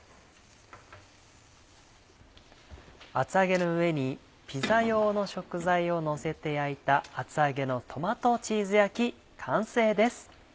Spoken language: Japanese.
厚揚げの上にピザ用の食材をのせて焼いた厚揚げのトマトチーズ焼き完成です。